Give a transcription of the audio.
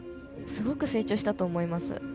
すごく成長したと思います。